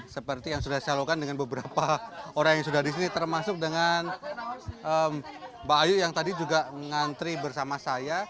seperti yang sudah saya lakukan dengan beberapa orang yang sudah di sini termasuk dengan mbak ayu yang tadi juga mengantri bersama saya